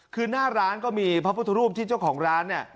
คือหน้าร้านก็มีพระพุทธรูปที่เจ้าของร้านเนี่ย